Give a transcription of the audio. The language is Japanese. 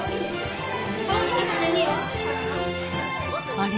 あれ？